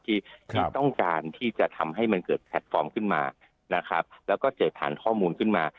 ที่ต้องการที่จะทำให้มันเกิดแพลตฟอร์มขึ้นมานะครับแล้วก็เกิดผ่านข้อมูลขึ้นมา